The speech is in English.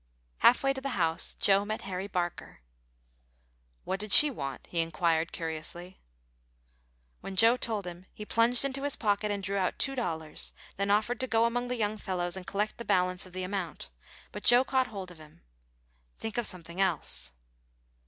Half way to the house, Joe met Harry Barker. "What did she want?" he inquired, curiously. When Joe told him he plunged into his pocket and drew out two dollars, then offered to go among the young fellows and collect the balance of the amount, but Joe caught hold of him. "Think of something else."